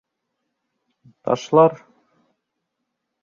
Ташлар!